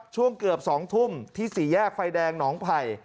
ช่วงเกือบ๒ทุ่มที่สี่แยกไฟแดงหนองไผ่